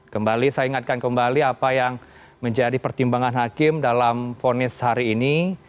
kembali saya ingatkan kembali apa yang menjadi pertimbangan hakim dalam vonis hari ini